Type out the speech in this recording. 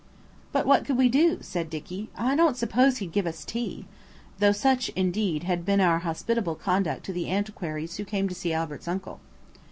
"But what could we do?" said Dicky. "I don't suppose he'd give us tea," though such, indeed, had been our hospitable conduct to the antiquaries who came to see Albert's uncle.